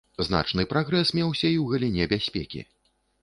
Значны прагрэс меўся і ў галіне бяспекі.